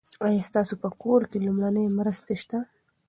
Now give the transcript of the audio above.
ایا ستاسي په کور کې لومړنۍ مرستې شته؟